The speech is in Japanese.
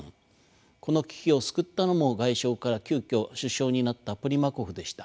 この危機を救ったのも外相から急遽首相になったプリマコフでした。